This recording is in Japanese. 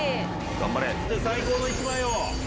「頑張れ」最高の一枚を！